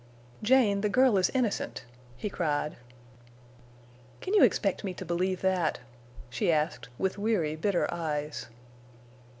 "Jane, the girl is innocent!" he cried. "Can you expect me to believe that?" she asked, with weary, bitter eyes.